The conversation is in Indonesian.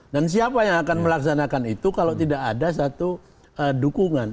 dan siapa yang akan melaksanakan itu kalau tidak ada satu dukungan